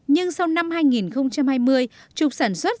nhưng sau năm hai nghìn hai mươi